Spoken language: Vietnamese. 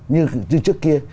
như trước kia